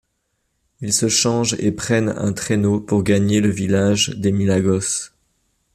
Ils se changent et prennent un traîneau pour gagner le village des Milagos.